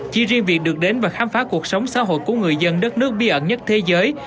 chỉ riêng việc được đến và khám phá cuộc sống xã hội của người dân đất nước bí ẩn nhất thế giới